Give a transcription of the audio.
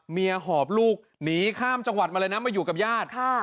หอบลูกหนีข้ามจังหวัดมาเลยนะมาอยู่กับญาติ